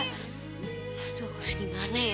aduh harus gimana ya